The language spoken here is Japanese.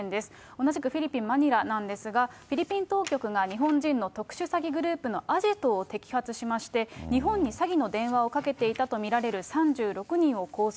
同じくフィリピン・マニラなんですが、フィリピン当局が日本人の特殊詐欺グループのアジトを摘発しまして、日本に詐欺の電話をかけていたと見られる３６人を拘束。